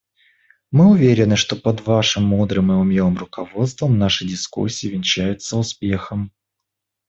Мы уверены, что под Вашим мудрым и умелым руководством наши дискуссии увенчаются успехом.